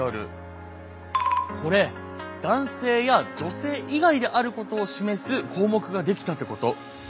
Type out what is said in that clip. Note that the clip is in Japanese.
これ男性や女性以外であることを示す項目が出来たってこと。